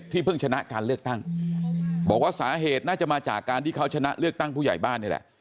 เพิ่งชนะการเลือกตั้งบอกว่าสาเหตุน่าจะมาจากการที่เขาชนะเลือกตั้งผู้ใหญ่บ้านนี่แหละ